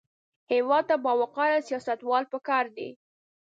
هېواد ته باوقاره سیاستوال پکار دي